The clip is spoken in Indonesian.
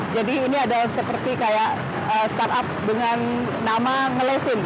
jadi ini adalah seperti kayak startup dengan nama ngelesin